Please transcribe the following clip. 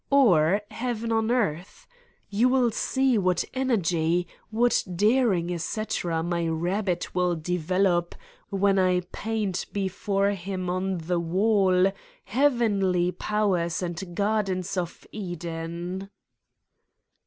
or heaven on earth. You will see what energy, what daring, etc., my rabbit will develop when I paint before him on the wall heavenly powers and gardens of Eden!"